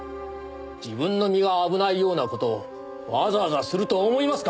自分の身が危ないような事をわざわざすると思いますか？